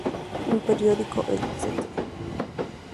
Un periódico, el St.